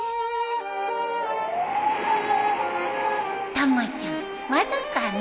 たまちゃんまだかな